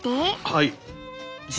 はい。